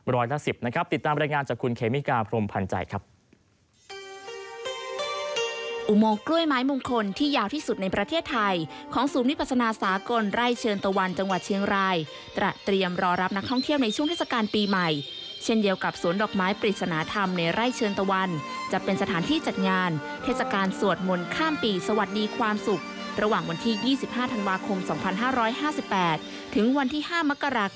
ร้อยละ๑๐นะครับติดตามรายงานจากคุณเคมิกาพรมพันธ์ใจครับ